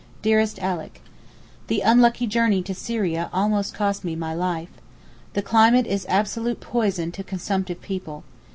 DEAREST ALICK, The unlucky journey to Syria almost cost me my life. The climate is absolute poison to consumptive people.